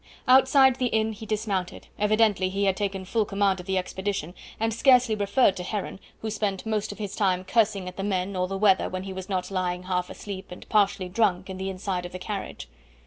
Outside the inn he dismounted; evidently he had taken full command of the expedition, and scarcely referred to Heron, who spent most of his time cursing at the men or the weather when he was not lying half asleep and partially drunk in the inside of the carriage.